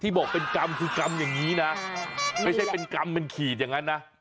บอกเป็นกรรมคือกรรมอย่างนี้นะไม่ใช่เป็นกรรมเป็นขีดอย่างนั้นนะ